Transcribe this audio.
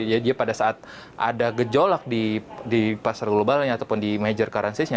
jadi pada saat ada gejolak di pasar globalnya ataupun di major currency nya